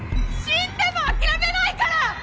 死んでも諦めないから！！